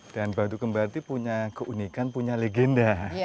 dan batu kembar itu punya keunikan punya legenda